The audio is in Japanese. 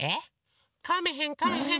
かめへんかめへん！